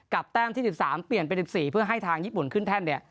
แต้มที่๑๓เปลี่ยนเป็น๑๔เพื่อให้ทางญี่ปุ่นขึ้นแท่นเนี่ย